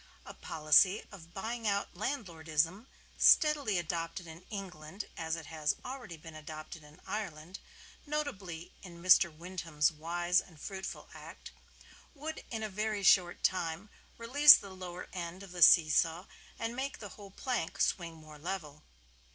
A policy of buying out landlordism, steadily adopted in England as it has already been adopted in Ireland (notably in Mr. Wyndham's wise and fruitful Act), would in a very short time release the lower end of the see saw and make the whole plank swing more level.